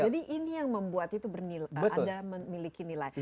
jadi ini yang membuat itu ada memiliki nilai